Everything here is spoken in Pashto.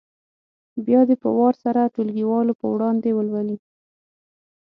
بیا دې په وار سره ټولګیوالو په وړاندې ولولي.